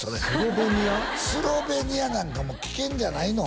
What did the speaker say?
スロベニアなんか危険じゃないの？